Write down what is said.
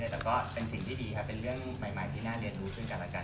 แต่ก็เป็นสิ่งที่ดีครับเป็นเรื่องใหม่ที่น่าเรียนรู้ซึ่งกันแล้วกัน